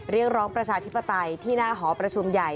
เรียกร้องประชาธิปไตยที่หน้าหอประชุมใหญ่